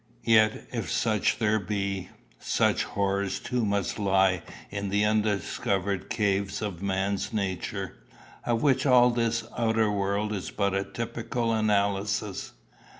Yet if such there be, such horrors too must lie in the undiscovered caves of man's nature, of which all this outer world is but a typical analysis.